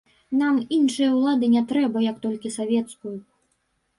Нам іншай улады не трэба, як толькі савецкую.